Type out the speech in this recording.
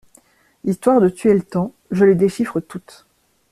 Histoire de tuer le temps, je les déchiffre toutes.